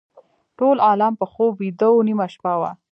ټول عالم په خوب ویده و نیمه شپه وه.